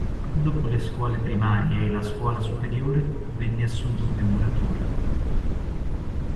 Dopo le scuole primarie e la scuola superiore venne assunto come muratore.